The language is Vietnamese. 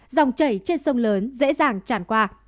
dòng chảy trên sông lớn dễ dàng tràn qua